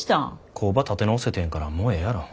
工場立て直せてんやからもうええやろ。